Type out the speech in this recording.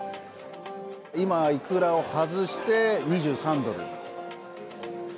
今、いくらを外して２３ドル。